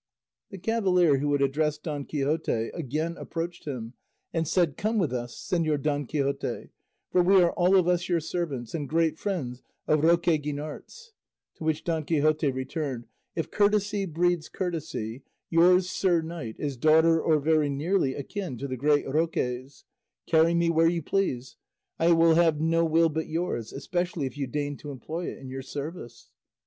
The cavalier who had addressed Don Quixote again approached him and said, "Come with us, Señor Don Quixote, for we are all of us your servants and great friends of Roque Guinart's;" to which Don Quixote returned, "If courtesy breeds courtesy, yours, sir knight, is daughter or very nearly akin to the great Roque's; carry me where you please; I will have no will but yours, especially if you deign to employ it in your service."